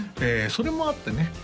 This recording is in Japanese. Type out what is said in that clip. それもあってね